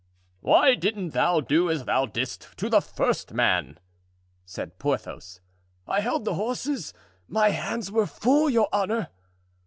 "Why didn't thou do as thou didst to the first man?" said Porthos. "I held the horses, my hands were full, your honor."